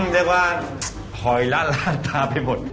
เรียกว่าหอยละลาดตาไปหมด